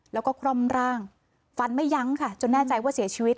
แล้วก็คร่อมร่างฟันไม่ยั้งค่ะจนแน่ใจว่าเสียชีวิต